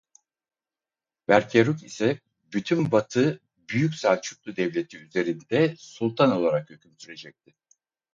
Berkyaruk ise bütün batı Büyük Selçuklu Devleti üzerinde Sultan olarak hüküm sürecekti.